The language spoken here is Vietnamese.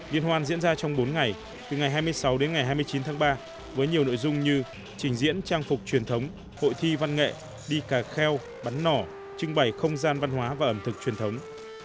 liên hoan diễn ra trong bốn ngày từ ngày hai mươi sáu đến ngày hai mươi chín tháng ba với nhiều nội dung như trình diễn trang phục truyền thống hội thi văn nghệ đi cà kheo bắn nỏ trưng bày không gian văn hóa và ẩm thực truyền thống